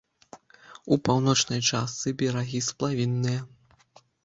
У паўночнай частцы берагі сплавінныя.